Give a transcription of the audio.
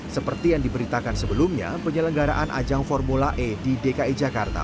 seperti yang diberitakan sebelumnya penyelenggaraan ajang formula e di dki jakarta